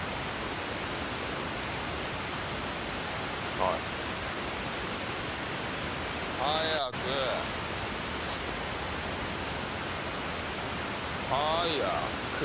はい早くー！早く！